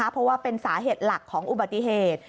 เพราะว่าเป็นสาเหตุหลักของอุบัติเหตุ